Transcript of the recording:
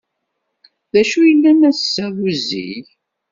D acu yellan ass-a d uzzig?